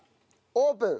オープン！